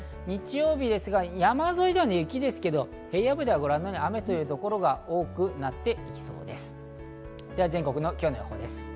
日曜日ですが、山沿いでは雪ですけど、平野部ではご覧のように雨という所が多くなっていきそうです。